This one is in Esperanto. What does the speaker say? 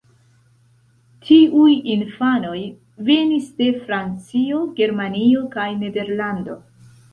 Tiuj infanoj venis de Francio, Germanio kaj Nederlando.